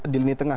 di lini tengah